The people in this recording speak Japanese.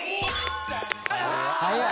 早い。